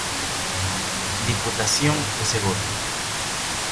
Diputación de Segovia